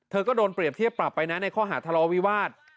ก็โดนเปรียบเทียบปรับไปนะในข้อหาทะเลาวิวาส